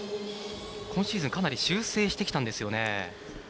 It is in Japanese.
今シーズンかなり修正してきたんですよね。